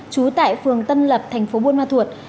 trú tại phường tân lập thành phố buôn ma thuột